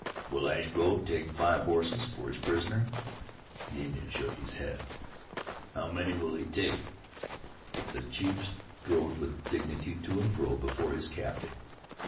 "Will Ashbow take five horses for his prisoner?" The Indian shook his head. "How many will he take?" The chief strode with dignity to and fro before his captive.